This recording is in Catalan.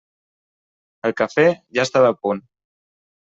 El cafè ja estava a punt.